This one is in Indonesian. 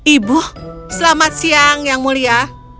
ibu selamat siang yang mulia